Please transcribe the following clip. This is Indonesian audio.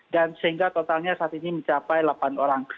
dan sehingga totalnya saat ini mencapai delapan orang